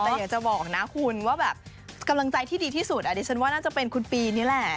แต่อยากจะบอกนะคุณว่าแบบกำลังใจที่ดีที่สุดดิฉันว่าน่าจะเป็นคุณปีนี่แหละ